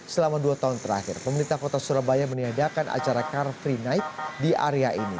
selama dua tahun terakhir pemerintah kota surabaya meniadakan acara car free night di area ini